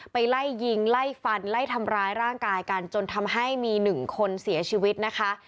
ไล่ยิงไล่ฟันไล่ทำร้ายร่างกายกันจนทำให้มีหนึ่งคนเสียชีวิตนะคะ